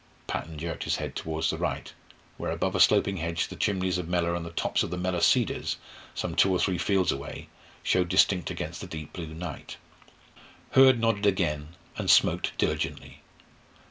Patton jerked his head towards the right, where above a sloping hedge the chimneys of Mellor and the tops of the Mellor cedars, some two or three fields away, showed distinct against the deep night blue. Hurd nodded again, and smoked diligently.